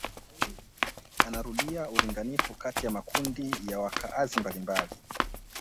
Anarudia ulinganifu kati ya makundi ya wakaazi mbalimbali